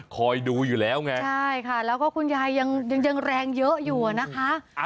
คอยดูอยู่แล้วไงใช่ค่ะแล้วก็คุณยายยังแรงเยอะอยู่อะนะคะ